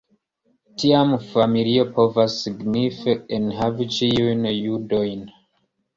Tia familio povas signife enhavi ĉiujn judojn.